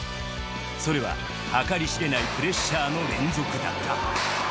それは計り知れないプレッシャーの連続だった。